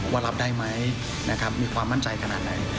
ว่ารับได้ไหมนะครับมีความมั่นใจขนาดไหน